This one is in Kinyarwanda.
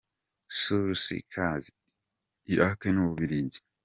Soul Seekers - Iraq n’u Bubiligi .